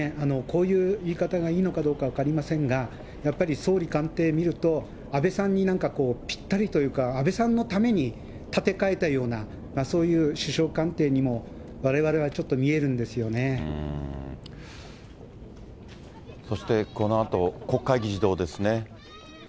こういう言い方がいいのかどうか分かりませんが、やっぱり総理官邸見ると、安倍さんになんかこう、ぴったりというか、安倍さんのために建て替えたような、そういう首相官邸にも、われそしてこのあと、国会議事堂ですね。